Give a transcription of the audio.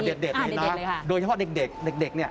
เด็ดเลยนะคะโดยเฉพาะเด็กเด็กนี่